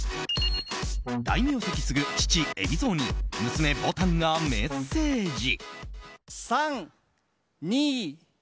大名跡継ぐ父・海老蔵に娘・ぼたんがメッセージ。